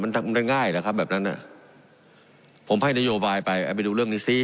มันทำได้ง่ายแหละครับแบบนั้นอ่ะผมให้นโยบายไปเอาไปดูเรื่องนี้ซิ